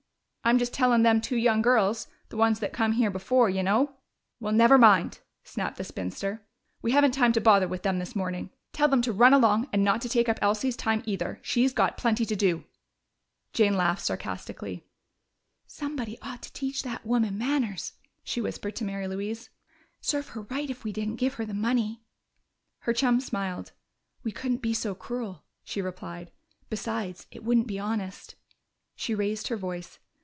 "I'm just tellin' them two young girls the ones that come here before, you know " "Well, never mind!" snapped the spinster. "We haven't time to bother with them this morning. Tell them to run along and not to take up Elsie's time, either. She's got plenty to do." Jane laughed sarcastically. "Somebody ought to teach that woman manners," she whispered to Mary Louise. "Serve her right if we didn't give her the money!" Her chum smiled. "We couldn't be so cruel," she replied. "Besides, it wouldn't be honest." She raised her voice.